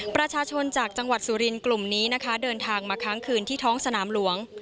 ประชาชนจากจังหวัดสุรินทร์กลุ่มนี้นะคะเดินทางมาค้างคืนที่ท้องสนามหลวง